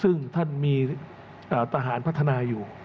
ซึ่งท่านมีทหารพัฒนาอยู่